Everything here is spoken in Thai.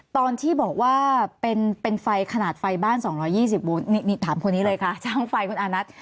ตอนที่บอกว่าเป็นไฟขนาดไฟบ้าน๒๒๐วูดนี่ถามคนนี้เลยค่ะช่างไฟคุณอานัท